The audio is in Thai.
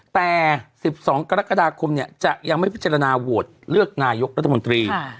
แต่๑๒กรกฎาคมจะยังไม่พิจารณาโหวตเลือกนายกรัฐมนตรี